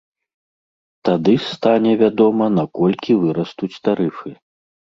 Тады стане вядома, на колькі вырастуць тарыфы.